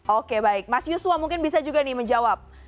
oke baik mas yusua mungkin bisa juga nih menjawab